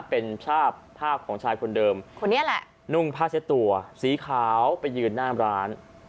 เป็นภาพภาพของชายคนเดิมคนนี้แหละนุ่งผ้าเช็ดตัวสีขาวไปยืนหน้าร้าน